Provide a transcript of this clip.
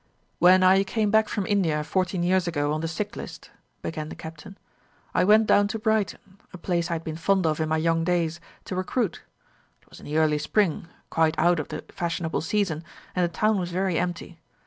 "When I came back from India fourteen years ago on the sick list," began the Captain, "I went down to Brighton, a place I had been fond of in my young days, to recruit. It was in the early spring, quite out of the fashionable season, and the town was very empty.